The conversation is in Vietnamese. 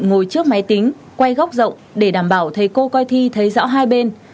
ngồi trước máy tính quay góc rộng để đảm bảo thầy cô coi thi thấy rõ hai bên